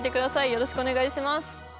よろしくお願いします。